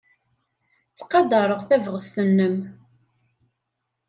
Ttqadareɣ tabɣest-nnem.